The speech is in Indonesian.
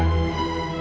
kita paling rancu ya kak